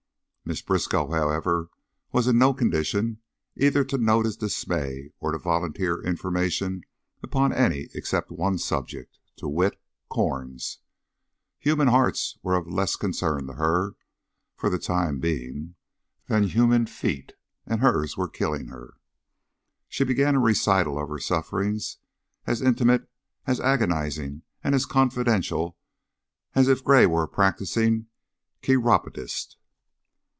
Mrs. Briskow, however, was in no condition either to note his dismay or to volunteer information upon any except one subject; to wit, corns. Human hearts were of less concern to her, for the time being, than human feet, and hers were killing her. She began a recital of her sufferings, as intimate, as agonizing, and as confidential as if Gray were a practicing chiropodist.